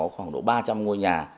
nó có khoảng độ ba trăm linh ngôi nhà